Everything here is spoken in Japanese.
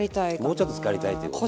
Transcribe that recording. もうちょっとつかりたいということで。